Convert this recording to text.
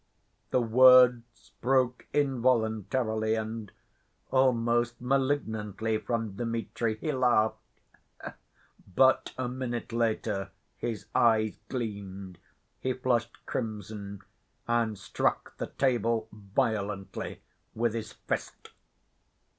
The words broke involuntarily, and almost malignantly, from Dmitri. He laughed, but a minute later his eyes gleamed, he flushed crimson and struck the table violently with his fist.